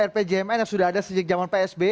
rpjmn yang sudah ada sejak zaman psb